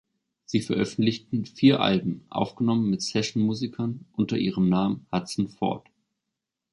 Sie veröffentlichten vier Alben, aufgenommen mit Sessionmusikern, unter ihrem Namen Hudson-Ford.